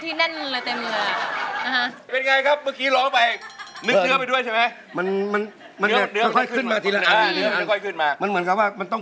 ต๊ะต๊ะต๊ะต๊ะต๊ะต๊ะต๊ะ